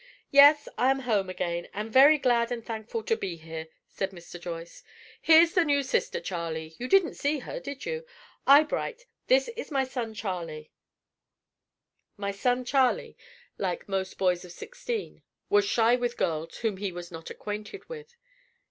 "Yes; I'm at home again, and very glad and thankful to be here," said Mr. Joyce. "Here's the new sister, Charley; you didn't see her, did you? Eyebright, this is my son Charley." "My son Charley," like most boys of sixteen, was shy with girls whom he was not acquainted with.